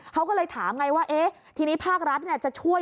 เขาก็เลยถามไงว่าเอ๊ะทีนี้ภาครัฐจะช่วย